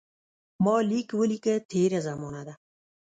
ما لیک ولیکه تېره زمانه ده.